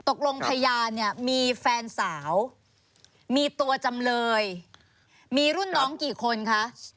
พยานเนี่ยมีแฟนสาวมีตัวจำเลยมีรุ่นน้องกี่คนคะ